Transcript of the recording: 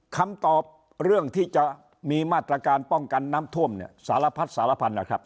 คำตอบเรื่องที่จะมีมาตรการป้องกันน้ำท่วมเนี่ยสารพัดสารพันธุ์นะครับ